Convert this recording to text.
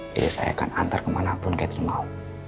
jadi saya akan antar kemana pun catherine mau